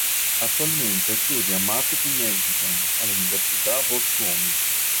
Attualmente studia Marketing Management all'Università Bocconi.